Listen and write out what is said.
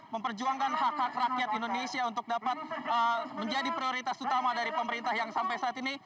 memperjuangkan hak hak rakyat indonesia untuk dapat menjadi prioritas utama dari pemerintah yang sampai saat ini